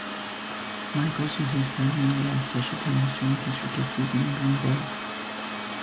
Michaels was used primarily on special teams during his rookie season in Green Bay.